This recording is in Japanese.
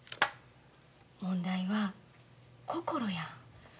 問題は心や。